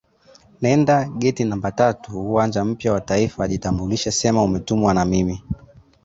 Nenda geti namba tatu uwanja mpya wa Taifa jitambulishe sema umetumwa na mimi